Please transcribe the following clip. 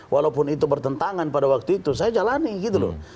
walaupun itu bertentangan pada waktu itu saya jalani gitu loh